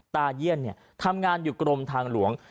เยี่ยนทำงานอยู่กรมทางหลวง